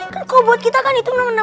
kan kau buat kita kan itu namanya